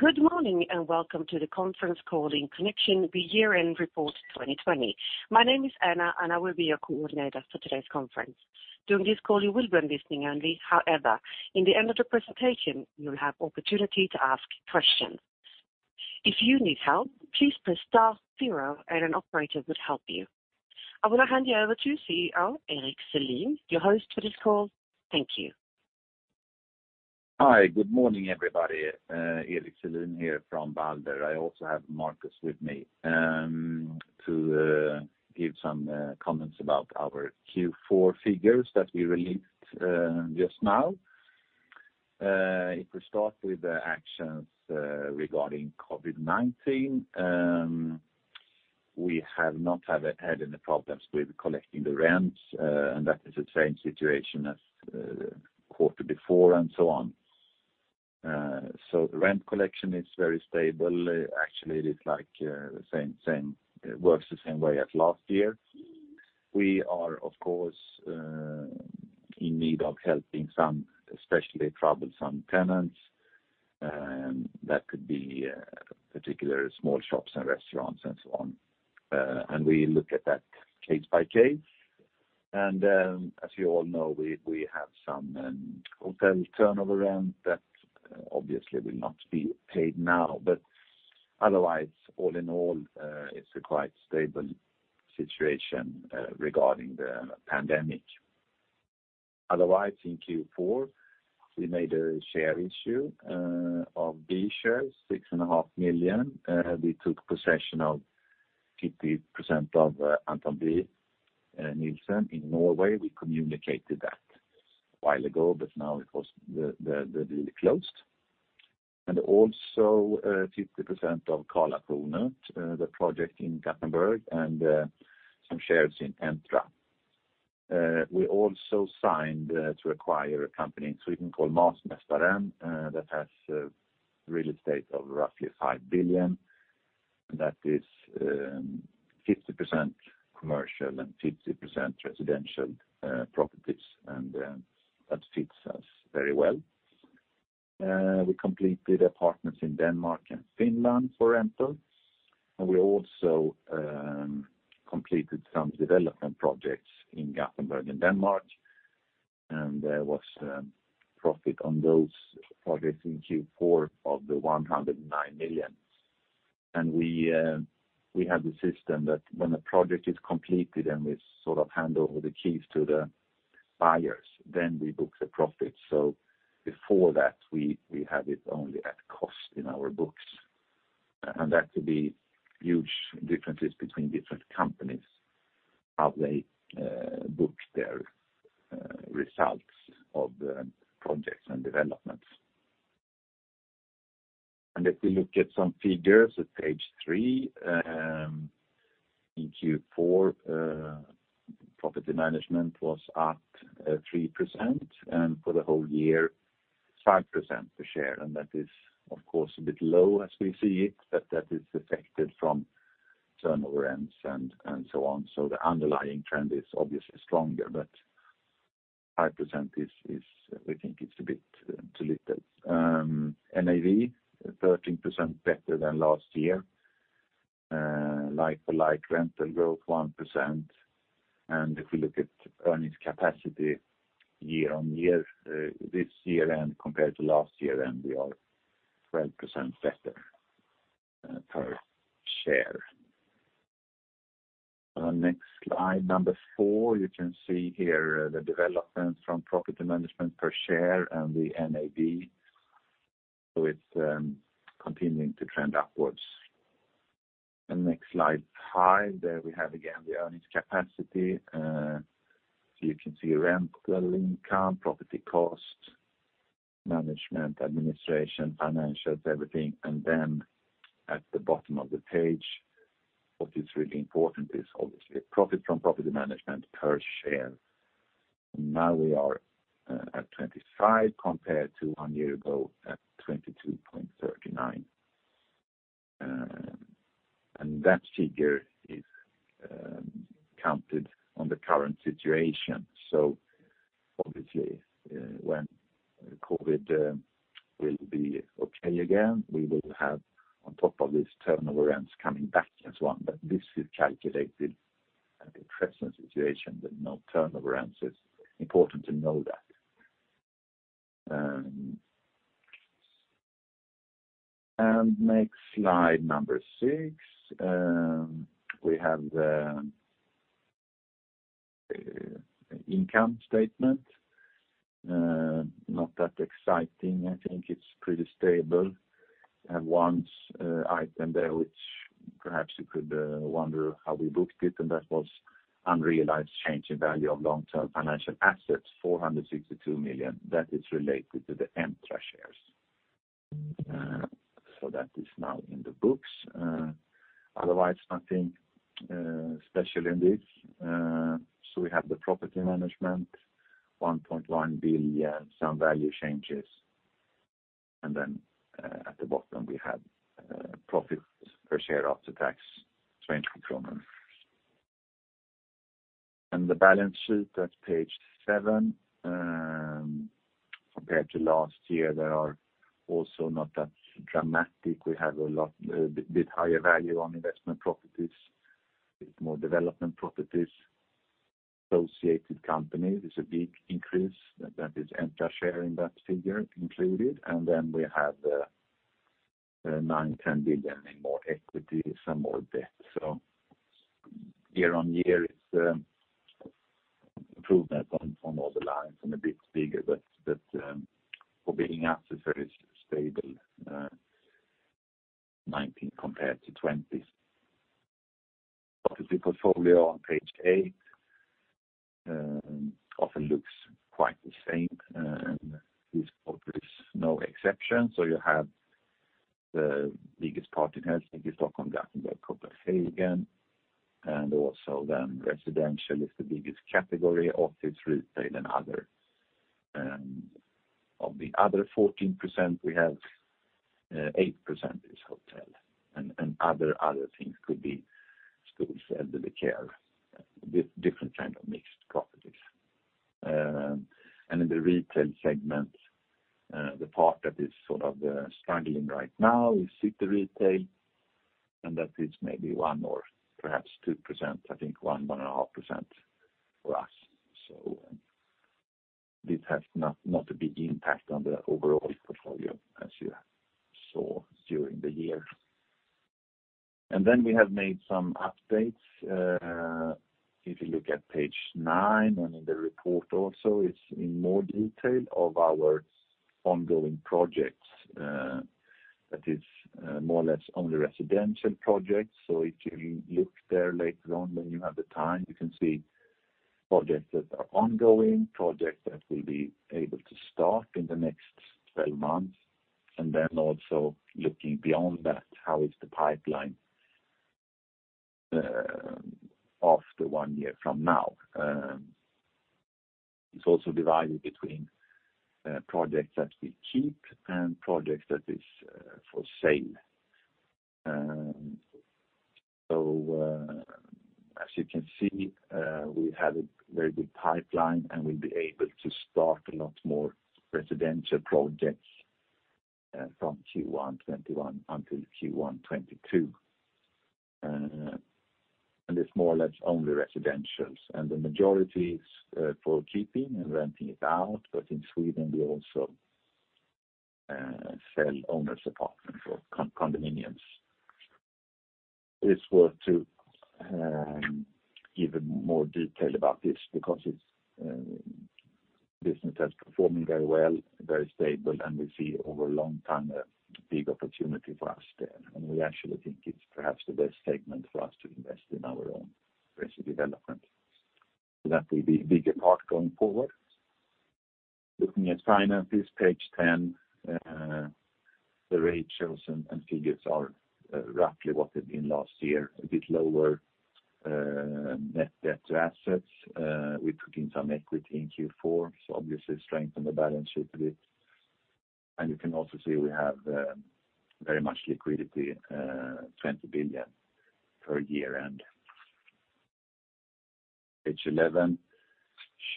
Good morning, and welcome to the conference call in connection with the year-end report 2020. My name is Anna, and I will be your coordinator for today's conference. During this call, you will be on listening only. However, in the end of the presentation, you'll have opportunity to ask questions. If you need help, please press star zero and an operator would help you. I want to hand you over to CEO, Erik Selin, your host for this call. Thank you. Hi. Good morning, everybody. Erik Selin here from Balder. I also have Marcus with me to give some comments about our Q4 figures that we released just now. If we start with the actions regarding COVID-19, we have not had any problems with collecting the rents. That is the same situation as quarter before and so on. The rent collection is very stable. Actually, it works the same way as last year. We are, of course, in need of helping some especially troublesome tenants. That could be particular small shops and restaurants and so on. We look at that case by case. As you all know, we have some hotel turnover rent that obviously will not be paid now. Otherwise, all in all, it's a quite stable situation regarding the pandemic. Otherwise, in Q4, we made a share issue of B shares, 6.5 million. We took possession of 50% of Anthon B Nilsen in Norway. We communicated that a while ago, but now the deal is closed. Also 50% of Karlatornet, the project in Gothenburg, and some shares in Entra. We also signed to acquire a company in Sweden called Masmästaren that has real estate of roughly 5 billion. That is 50% commercial and 50% residential properties, and that fits us very well. We completed apartments in Denmark and Finland for rental, and we also completed some development projects in Gothenburg and Denmark. There was profit on those projects in Q4 of 109 million. We have the system that when the project is completed and we hand over the keys to the buyers, then we book the profit. Before that, we have it only at cost in our books. That could be huge differences between different companies, how they book their results of the projects and developments. If we look at some figures at page three, in Q4, property management was at 3%, and for the whole year, 5% per share. That is, of course, a bit low as we see it, but that is affected from turnover rents and so on. The underlying trend is obviously stronger, but 5%, we think it's a bit too little. NAV 13% better than last year. Like-for-like rental growth 1%. If we look at earnings capacity this year and compared to last year, then we are 12% better per share. Next slide, number four, you can see here the development from property management per share and the NAV. It's continuing to trend upwards. Next slide, five, there we have again the earnings capacity. You can see rental income, property cost, management, administration, financials, everything. At the bottom of the page, what is really important is obviously profit from property management per share. Now we are at 25 compared to one year ago at 22.39. That figure is counted on the current situation. Obviously, when COVID will be okay again, we will have on top of this turnover rents coming back and so on. This is calculated at the present situation that no turnover rents. It's important to know that. Next slide, number six. We have the income statement. Not that exciting. I think it's pretty stable. One item there which perhaps you could wonder how we booked it, and that was unrealized change in value of long-term financial assets, 462 million. That is related to the Entra shares. That is now in the books. Otherwise, nothing special in this. We have the property management, 1.1 billion, some value changes. At the bottom, we have profits per share after tax, SEK 20. The balance sheet at page seven. Compared to last year, they are also not that dramatic. We have a bit higher value on investment properties, a bit more development properties. Associated company, there's a big increase. That is Entra share in that figure included. We have 9 billion, 10 billion in more equity, some more debt. Year-over-year it's improvement on all the lines and a bit bigger. For being up is very stable, 2019 compared to 2020. Property portfolio on page eight. Often looks quite the same, this quarter is no exception. You have the biggest part in Helsingborg, Stockholm, Gothenburg, Kungsbacka, Copenhagen. Residential is the biggest category. Office, retail, and other. Of the other 14%, we have 8% is hotel. Other things could be schools, elderly care, different kind of mixed properties. In the retail segment, the part that is struggling right now is city retail, and that is maybe 1% or perhaps 2%, I think 1.5% for us. This has not a big impact on the overall portfolio, as you saw during the year. We have made some updates. If you look at page nine and in the report also, it's in more detail of our ongoing projects. That is more or less only residential projects. If you look there later on when you have the time, you can see projects that are ongoing, projects that will be able to start in the next 12 months, and then also looking beyond that, how is the pipeline after one year from now. It's also divided between projects that we keep and projects that is for sale. As you can see, we have a very good pipeline, and we'll be able to start a lot more residential projects from Q1 2021 until Q1 2022. It's more or less only residentials. The majority is for keeping and renting it out. In Sweden, we also sell owner's apartment or condominiums. It's worth to give a more detail about this because business has performing very well, very stable, and we see over a long time, a big opportunity for us there. We actually think it's perhaps the best segment for us to invest in our own residential development. That will be a bigger part going forward. Looking at finances, page 10. The ratios and figures are roughly what they've been last year, a bit lower net debt to assets. We put in some equity in Q4, so obviously strengthen the balance sheet a bit. You can also see we have very much liquidity, 20 billion per year end. Page 11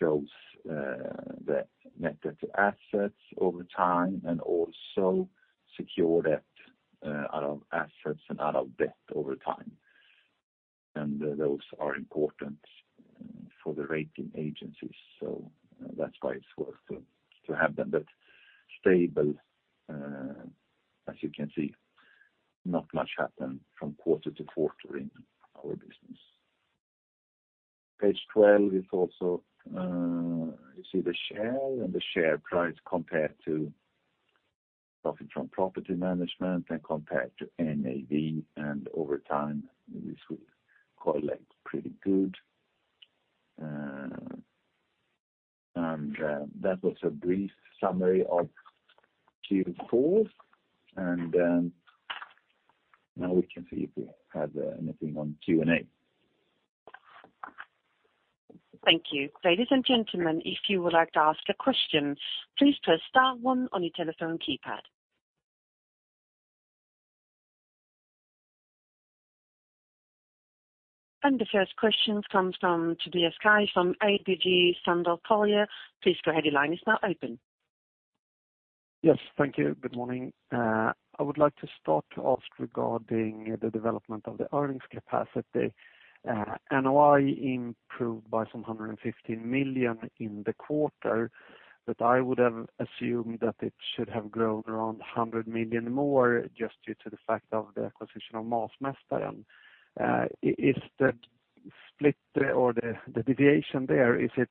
shows the net debt to assets over time and also secure debt out of assets and out of debt over time. Those are important for the rating agencies, so that's why it's worth to have them. Stable, as you can see, not much happen from quarter to quarter in our business. Page 12 is also, you see the share and the share price compared to profit from property management and compared to NAV. Over time, this would correlate pretty good. That was a brief summary of Q4. Now we can see if we have anything on Q&A. Thank you. Ladies and gentlemen, if you would like to ask a question, please press star one on your telephone keypad. The first question comes from Tobias Kaj from ABG Sundal Collier. Please go ahead, your line is now open. Yes. Thank you. Good morning. I would like to start to ask regarding the development of the earnings capacity. NOI improved by some 115 million in the quarter, but I would have assumed that it should have grown around 100 million more just due to the fact of the acquisition of Masmästaren. Is the split or the deviation there, is it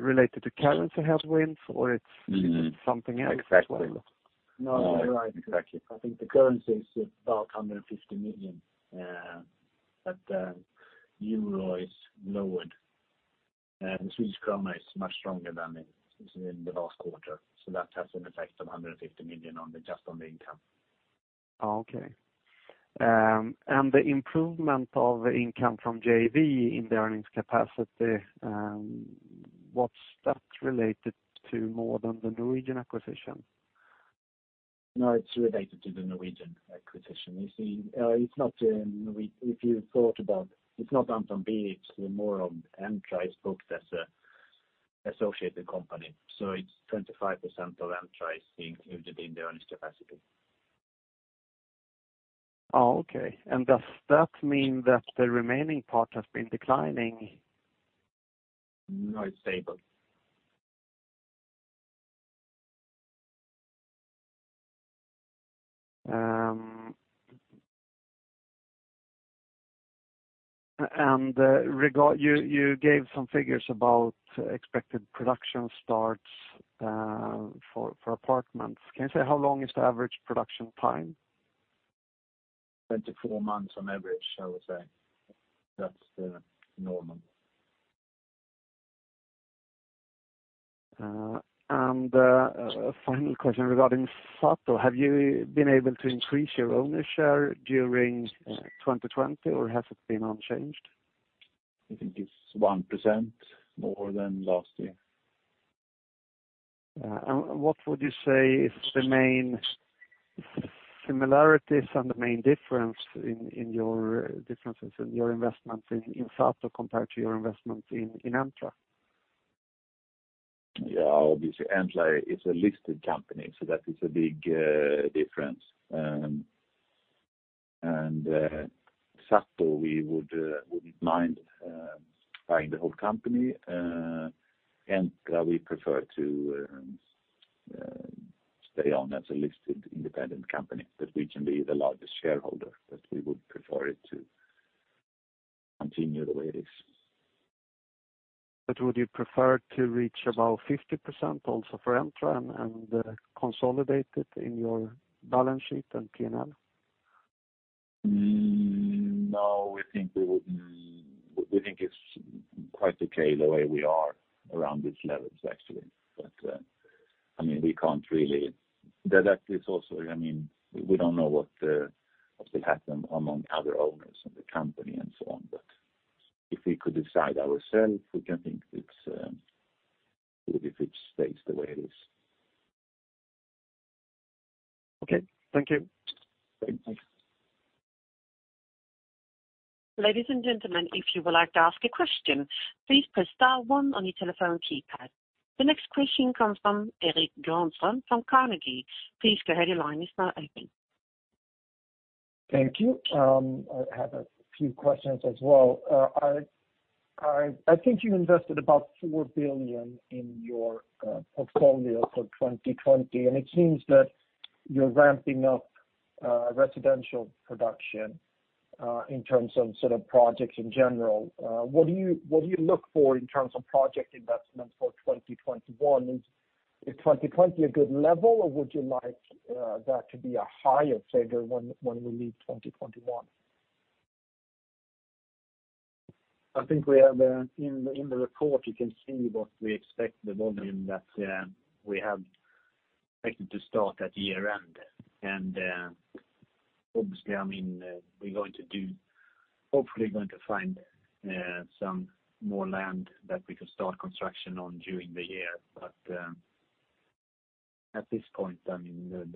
related to currency headwinds or it's something else? Exactly. No, you're right. Exactly. I think the currency is about 150 million, but the euro is lowered. The Swedish krona is much stronger than in the last quarter. That has an effect of 150 million just on the income. Okay. The improvement of income from JV in the earnings capacity, what's that related to more than the Norwegian acquisition? No, it's related to the Norwegian acquisition. If you thought about it's not Anthon B Nilsen, it's more of Entra is booked as an associated company. It's 25% of Entra is being included in the earnings capacity. Okay. Does that mean that the remaining part has been declining? No, it's stable. You gave some figures about expected production starts for apartments. Can you say how long is the average production time? 24 months on average, I would say. That's the normal. A final question regarding SATO. Have you been able to increase your ownership during 2020, or has it been unchanged? I think it's 1% more than last year. What would you say is the main similarities and the main differences in your investments in SATO compared to your investments in Entra? Yeah, obviously, Entra is a listed company. That is a big difference. SATO, we wouldn't mind buying the whole company. Entra we prefer to stay on as a listed independent company, we can be the largest shareholder, but we would prefer it to continue the way it is. Would you prefer to reach about 50% also for Entra and consolidate it in your balance sheet and P&L? We think it's quite okay the way we are around these levels, actually. We don't know what will happen among other owners of the company and so on. If we could decide ourselves, we can think it's good if it stays the way it is. Okay. Thank you. Thank you. Ladies and gentlemen, if you would like to ask a question, please press star one on your telephone keypad. The next question comes from Erik Gunnarsson from Carnegie. Please go ahead. Your line is now open. Thank you. I have a few questions as well. I think you invested about 4 billion in your portfolio for 2020, and it seems that you're ramping up residential production, in terms of sort of projects in general. What do you look for in terms of project investments for 2021? Is 2020 a good level, or would you like that to be a higher figure when we leave 2021? I think in the report you can see what we expect the volume that we have expected to start at year-end. Obviously, we're hopefully going to find some more land that we can start construction on during the year. At this point, the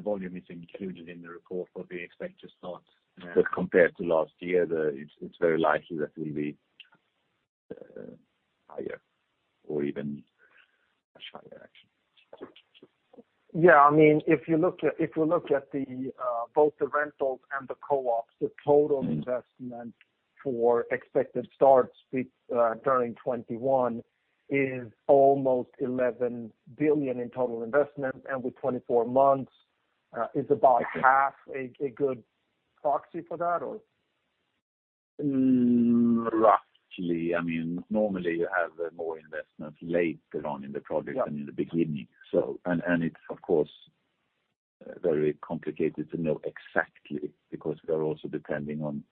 volume is included in the report what we expect to start. Compared to last year, it's very likely that it will be higher or even much higher, actually. Yeah. If you look at both the rentals and the co-ops, the total investment for expected starts during 2021 is almost 11 billion in total investment, and with 24 months is about half a good proxy for that, or? Roughly. Normally you have more investment later on in the project than in the beginning. It's of course very complicated to know exactly, because we are also depending on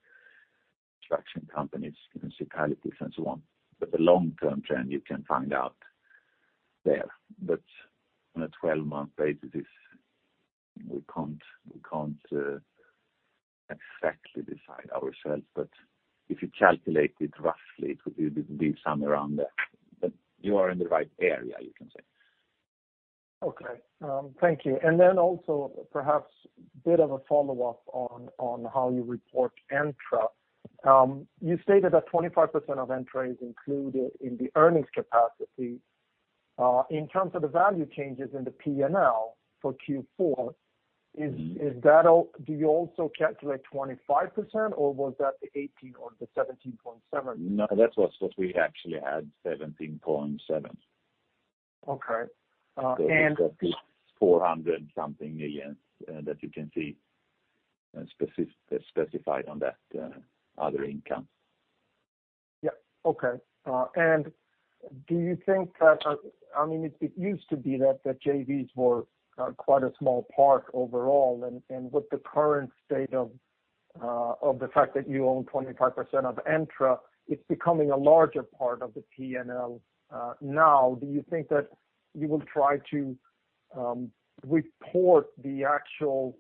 construction companies, municipalities, and so on. The long-term trend you can find out there. On a 12-month basis, we can't exactly decide ourselves. If you calculate it roughly, it would be somewhere around there. You are in the right area, you can say. Okay. Thank you. Perhaps a bit of a follow-up on how you report Entra. You stated that 25% of Entra is included in the earnings capacity. In terms of the value changes in the P&L for Q4, do you also calculate 25%, or was that the 18% or the 17.7%? No, that was what we actually had, 17.7%. Okay. It is 400 something million that you can see specified on that other income. Yeah. Okay. It used to be that JVs were quite a small part overall. With the current state of the fact that you own 25% of Entra, it's becoming a larger part of the P&L. Do you think that you will try to report the actual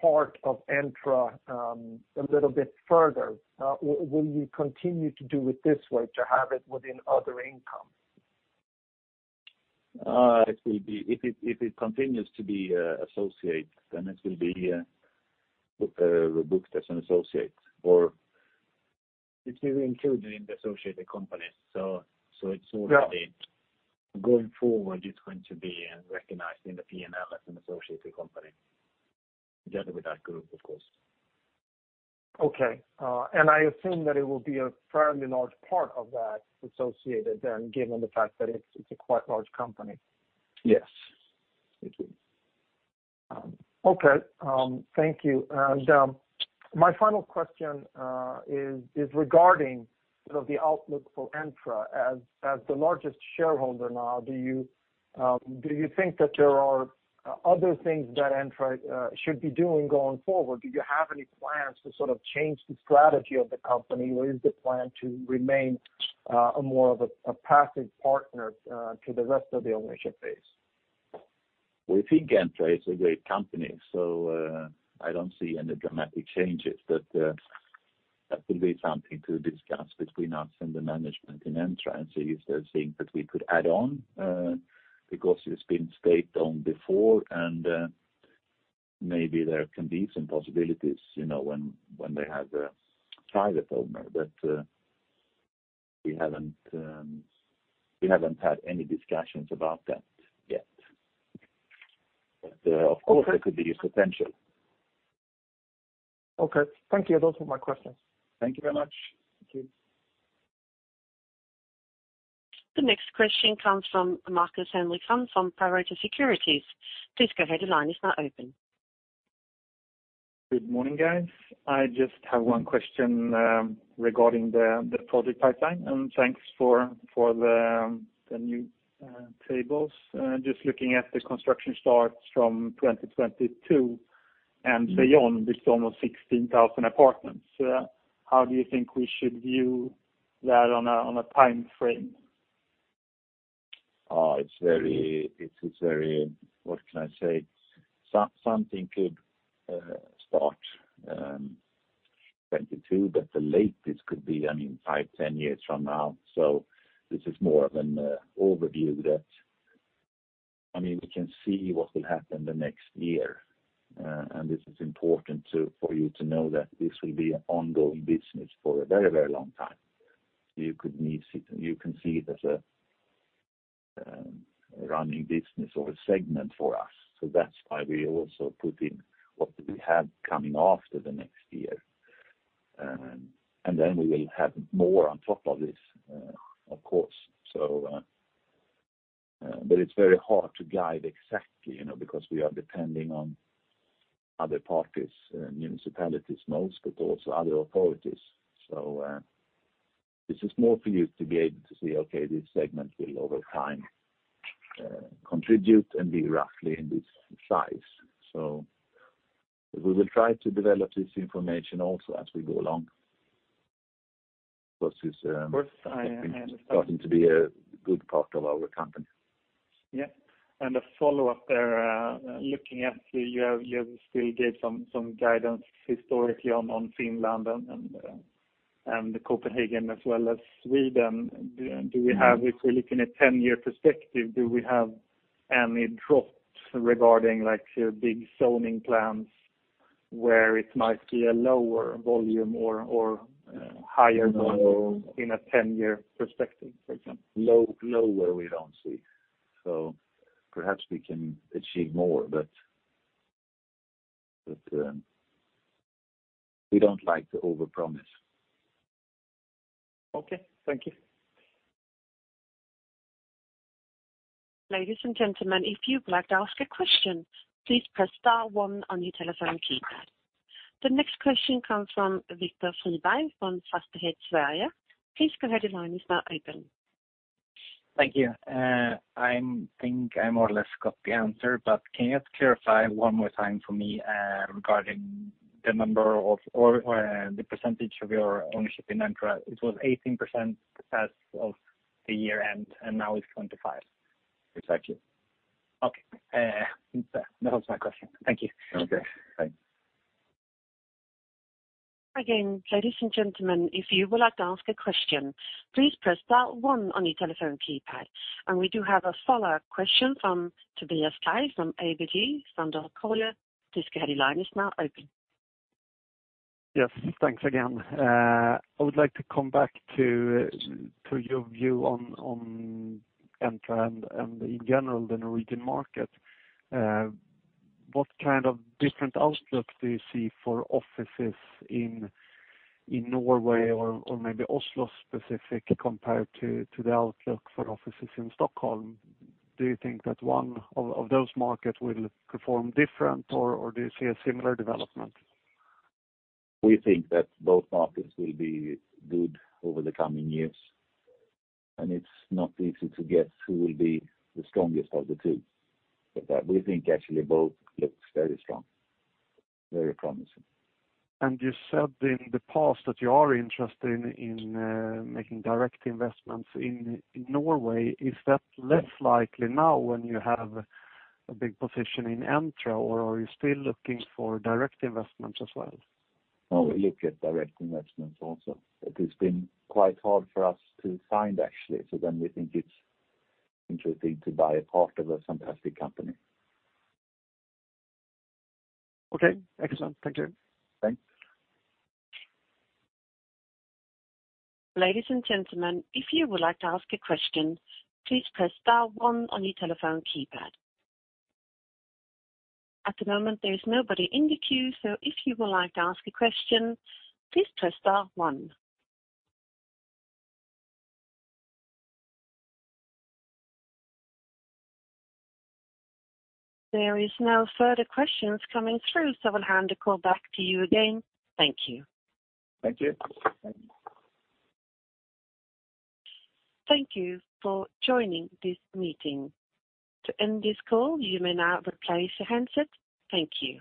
part of Entra a little bit further? Will you continue to do it this way, to have it within other income? If it continues to be associate, then it will be booked as an associate, or it will be included in the associated companies. Yeah. Going forward, it's going to be recognized in the P&L as an associated company, together with that group, of course. Okay. I assume that it will be a fairly large part of that associated then, given the fact that it's a quite large company. Yes. It will. Okay. Thank you. My final question is regarding the outlook for Entra. As the largest shareholder now, do you think that there are other things that Entra should be doing going forward? Do you have any plans to change the strategy of the company, or is the plan to remain more of a passive partner to the rest of the ownership base? We think Entra is a great company. I don't see any dramatic changes. That will be something to discuss between us and the management in Entra and see if there's things that we could add on, because it's been stayed on before, and maybe there can be some possibilities when they have a private owner. We haven't had any discussions about that yet. Okay. It could be a potential. Okay. Thank you. Those were my questions. Thank you very much. Thank you. The next question comes from Marcus Henriksson from Pareto Securities. Please go ahead, your line is now open. Good morning, guys. I just have one question regarding the project pipeline. Thanks for the new tables. Just looking at the construction starts from 2022 and beyond, it's almost 16,000 apartments. How do you think we should view that on a timeframe? It's very, what can I say? Something could start 2022, but the latest could be, I mean, five, 10 years from now. This is more of an overview that we can see what will happen the next year. This is important for you to know that this will be an ongoing business for a very long time. You can see it as a running business or a segment for us. That's why we also put in what we have coming after the next year. Then we will have more on top of this, of course. It's very hard to guide exactly, because we are depending on other parties, municipalities most, but also other authorities. This is more for you to be able to see, okay, this segment will over time contribute and be roughly in this size. We will try to develop this information also as we go along. Of course. I understand. It's starting to be a good part of our company. Yeah. A follow-up there, looking at you have still gave some guidance historically on Finland and Copenhagen as well as Sweden. If we look in a 10-year perspective, do we have any drops regarding big zoning plans where it might be a lower volume or higher volume? No. In a 10-year perspective, for example? Lower, we don't see. Perhaps we can achieve more. We don't like to overpromise. Okay. Thank you. Ladies and gentlemen, if you would like to ask a question please press star one on your telephone keypad. The next question comes from Victor Friberg from Fastighetssverige. Please go ahead, your line is now open. Thank you. I think I more or less got the answer, but can you clarify one more time for me regarding the number or the percentage of your ownership in Entra? It was 18% as of the year-end, and now it's 25%. Exactly. Okay. That was my question. Thank you. Okay. Thanks. Again, ladies and gentlemen, if you would like to ask a question, please press star one on your telephone keypad. We do have a follow-up question from Tobias Kaj from ABG Sundal Collier. Please go ahead, your line is now open. Yes. Thanks again. I would like to come back to your view on Entra and in general, the Norwegian market. What kind of different outlook do you see for offices in Norway or maybe Oslo specific compared to the outlook for offices in Stockholm? Do you think that one of those markets will perform different, or do you see a similar development? We think that both markets will be good over the coming years, and it's not easy to guess who will be the strongest of the two. We think actually both looks very strong, very promising. You said in the past that you are interested in making direct investments in Norway. Is that less likely now when you have a big position in Entra, or are you still looking for direct investments as well? No, we look at direct investments also. It has been quite hard for us to find, actually. We think it's interesting to buy a part of a fantastic company. Okay. Excellent. Thank you. Thanks. Ladies and gentlemen, if you would like to ask a question, please press star one on your telephone keypad. At the moment, there is nobody in the queue, so if you would like to ask a question, please press star one. There is no further questions coming through. I will hand the call back to you again. Thank you. Thank you. Thank you for joining this meeting. To end this call, you may now replace the handset. Thank you.